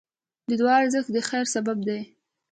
د دعا ارزښت د خیر سبب دی.